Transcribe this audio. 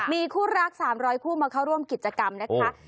มีคู่รัก๓๐๐คู่มาเข้าร่วมกิจกรรมนะคะ